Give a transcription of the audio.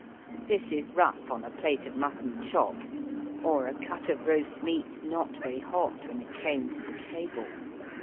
This is rough on a plate of mutton chops or a cut of roast meat not very hot when it came to the table.